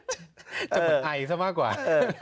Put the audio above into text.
จะเหมือนไอซะมากกว่า